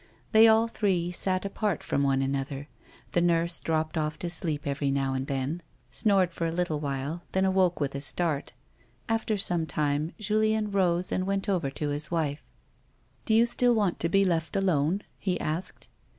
They all three sat apart from one another ; the nurse dropped off to A WOMAN'S LIFE. 155 sleep every now and then, snored for a little while, then awoke with a start. After some time Julien rose and went over to his wife. "Do you still want to be left alone 1" he asked.